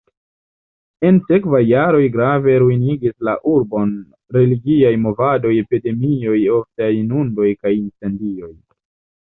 En sekvaj jaroj grave ruinigis la urbon religiaj movadoj, epidemioj, oftaj inundoj kaj incendioj.